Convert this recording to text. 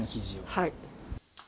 はい。